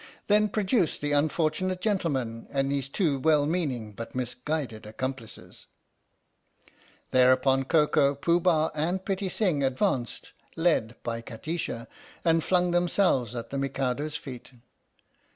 "Then produce the unfortunate gentleman and his two well meaning but misguided accomplices." Thereupon Koko, Pooh Bah, and Pitti Sing advanced, led by Kati sha, and flung themselves at the Mikado's feet.